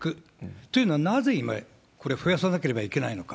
というのは、なぜ今、これを増やさなければいけないのか。